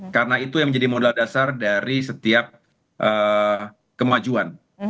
karena itu yang menjadi modal dasar dari setiap kemajuan